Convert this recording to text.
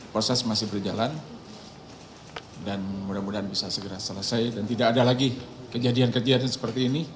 proses masih berjalan dan mudah mudahan bisa segera selesai dan tidak ada lagi kejadian kejadian seperti ini